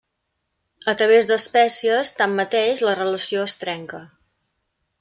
A través d'espècies, tanmateix, la relació es trenca.